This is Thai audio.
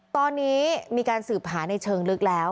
ตอนนี้มีการสืบหาในเชิงลึกแล้ว